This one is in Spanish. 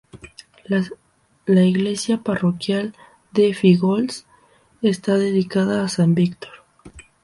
La iglesia parroquial de Fígols está dedicada a San Víctor.